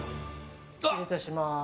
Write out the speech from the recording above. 失礼いたします。